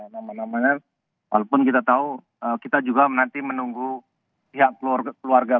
nama namanya walaupun kita tahu kita juga nanti menunggu pihak keluarga